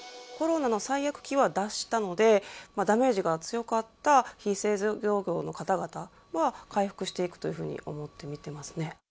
コロナの最悪期は脱したので、ダメージが強かった非製造業の方々は回復していくというふうに思って見てますね。